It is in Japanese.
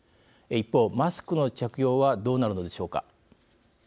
一方、マスクの着用はどうなるのでしょうか。